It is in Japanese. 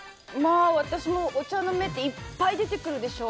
私もお茶の芽っていっぱい出てくるでしょ。